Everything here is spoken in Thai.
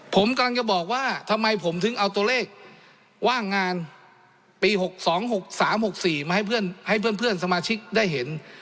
ผมกำลังจะบอกว่าทำไมผมถึงเอาตัวเลขว่างงานปีหกสองหกสามหกสี่มาให้เพื่อนให้เพื่อนเพื่อนสมาชิกได้เห็น